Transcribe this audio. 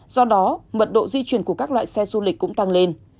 do đó mật độ di chuyển của các loại xe du lịch cũng tăng lên